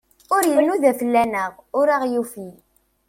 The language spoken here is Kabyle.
Ur inuda fell-aneɣ, ur aɣ-yufi.